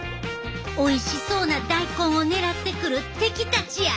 おいしそうな大根を狙ってくる敵たちや！